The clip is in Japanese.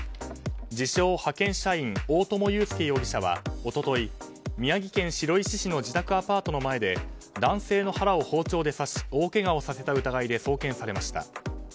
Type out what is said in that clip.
自称派遣社員大友祐介容疑者は一昨日一昨日、宮城県白石市の自宅アパートの前で男性の腹を包丁で刺し大けがをさせた疑いで送検されました。